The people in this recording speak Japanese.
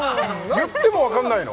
言ってもわかんないの？